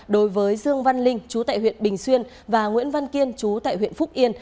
đối với dương văn linh chú tại huyện bình xuyên và nguyễn văn kiên chú tại huyện phúc yên